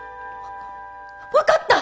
分かった！